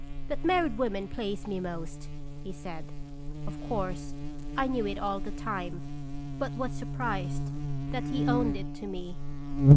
" That married women please me most," he said. Of course, I knew it all the time, but was surprised that he owned it to me.